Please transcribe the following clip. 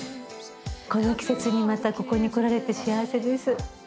この季節にまたここに来られて幸せです。